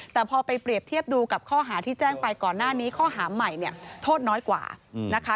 แต่พอไปเปรียบเทียบดูกับข้อหาที่แจ้งไปก่อนหน้านี้ข้อหาใหม่เนี่ยโทษน้อยกว่านะคะ